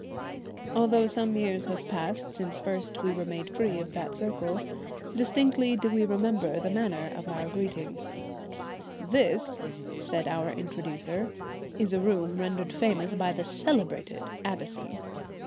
Although some years have passed since first we were made free of that circle, distinctly do we remember the manner of our greeting "This," said our introducer, "is a room rendered famous by the celebrated Addison."